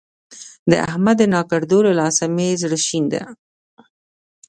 د احمد د ناکړدو له لاسه مې زړه شين دی.